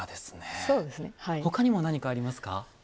ほかにも何かありますか？